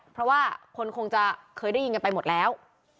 เพราะว่าคนคงจะเคยได้ยินกันไปหมดแล้ว